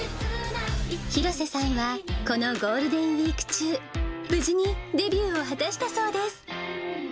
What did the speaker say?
廣瀬さんはこのゴールデンウィーク中、無事にデビューを果たしたそうです。